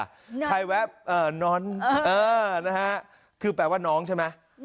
น้อนใครแวะเอ่อน้อนเออนะฮะคือแปลว่าน้องใช่ไหม